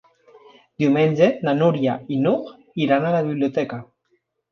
Diumenge na Núria i n'Hug iran a la biblioteca.